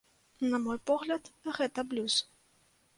На мой погляд, гэта блюз.